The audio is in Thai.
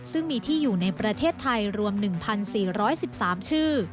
ซึ่งมีที่อยู่ในประเทศไทยรวม๑๔๑๓ชื่อ